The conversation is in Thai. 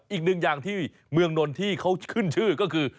อีกหนึ่งอย่างที่เมืองนนท์ที่เขาขึ้นชื่อก็คือ